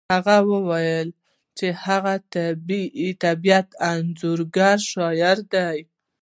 هغې وویل چې هغه د طبیعت انځورګر شاعر دی